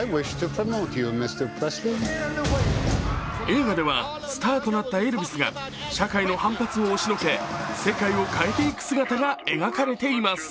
映画ではスタートなったエルヴィスが社会の反発を押しのけ世界を変えていく姿が描かれています。